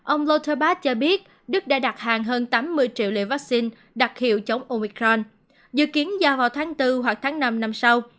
ông lutterbach cho biết đức đã đặt hàng hơn tám mươi triệu liệu vaccine đặc hiệu chống omicron dự kiến vào tháng bốn hoặc tháng năm năm sau